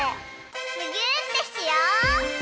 むぎゅーってしよう！